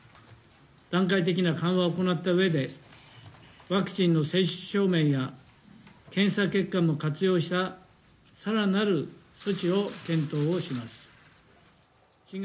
段階的な緩和を行ったうえでワクチンの接種証明や検査結果も活用した、更なる措置を検討します。